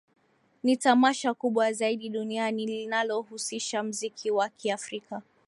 Ni Tamasha kubwa zaidi duniani linalohusisha mziki wa kiafrika